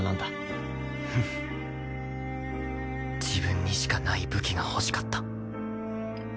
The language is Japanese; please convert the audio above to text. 自分にしかない武器が欲しかった